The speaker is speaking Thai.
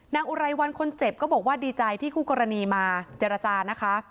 อุไรวันคนเจ็บก็บอกว่าดีใจที่คู่กรณีมาเจรจานะคะ